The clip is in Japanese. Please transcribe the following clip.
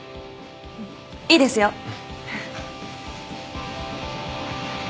いいですよ。